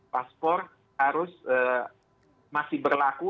paspor harus masih berlaku